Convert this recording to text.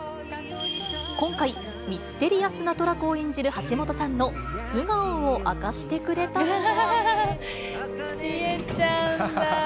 今回、ミステリアスなトラコを演じる橋本さんの素顔を明かしてくれたのは。